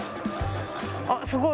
あすごい。